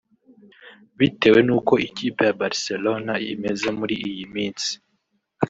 Bitewe n’uko ikipe ya Barcelona imeze muri iyi minsi